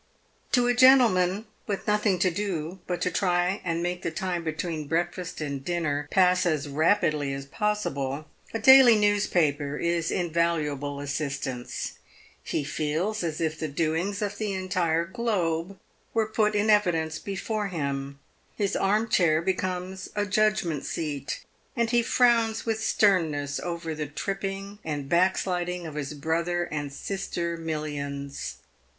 To a gentleman with nothing to do but to try and make the time between breakfast and dinner pass as rapidly as possible, a daily news paper is invaluable assistance. He feels as if the doings of the entire globe were put in evidence before him. His arm chair becomes a judgment seat, and he frowns with sternness over the tripping and backsliding of his brother and sister millions.